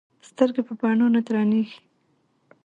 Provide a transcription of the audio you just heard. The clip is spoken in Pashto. سترګې په بڼو نه درنې ايږي